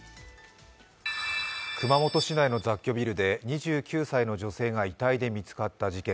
熊本市内の雑居ビルで２９歳の女性が遺体で見つかった事件。